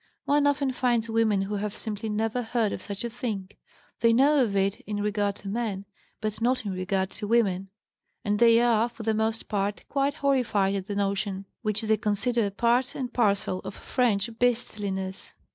One often finds women who have simply never heard of such a thing; they know of it in regard to men, but not in regard to women. And they are, for the most part, quite horrified at the notion, which they consider part and parcel of 'French beastliness.'